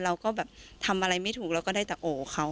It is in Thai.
เราก็แบบทำอะไรไม่ถูกเราก็ได้แต่โอเขา